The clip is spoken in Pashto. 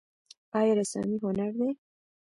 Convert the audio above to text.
آیا رسامي هنر دی؟